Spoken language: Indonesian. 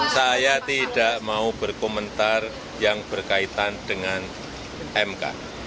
saya tidak mau berkomentar yang berkaitan dengan mk